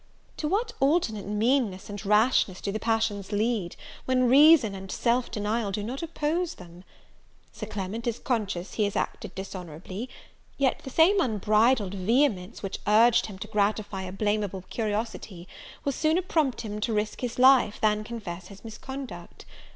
To what alternate meanness and rashness do the passions lead, when reason and self denial do not oppose them! Sir Clement is conscious he has acted dishonourably; yet the same unbridled vehemence, which urged him to gratify a blameable curiosity, will sooner prompt him to risk his life, than, confess his misconduct.